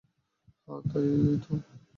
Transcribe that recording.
হ্যাঁ, তাই তো!